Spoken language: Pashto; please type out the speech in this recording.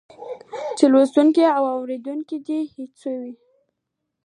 چې لوستونکی او اورېدونکی دې ته هڅوي